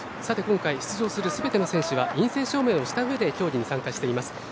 さて、今回出場するすべての選手は陰性証明をしたうえで競技に参加しています。